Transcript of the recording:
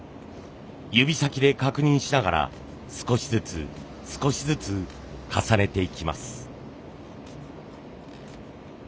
指先で確認しながら少しずつ少しずつ重ねていきます。